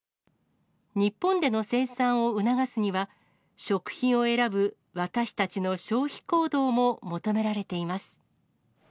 日本での生産を促すには、食品を選ぶ私たちの消費行動も求められています。